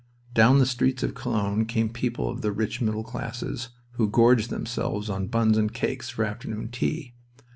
Down the streets of Cologne came people of the rich middle classes, who gorged themselves on buns and cakes for afternoon tea.